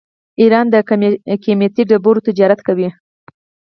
ایران د قیمتي ډبرو تجارت کوي.